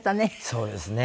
そうですね。